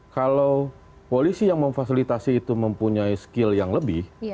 kalau polisi yang memfasilitasi itu mempunyai skill yang lebih